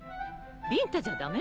ビンタじゃ駄目？